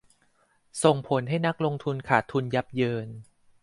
ส่งผลให้นักลงทุนขาดทุนยับเยิน